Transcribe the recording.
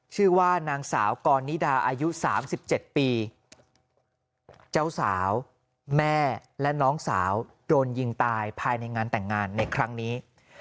ชื่อว่านางสาวกรนิดาอายุ๓๗ปีเจ้าสาวแม่และน้องสาวโดนยิงตายภายในงานแต่งงานในครั้งนี้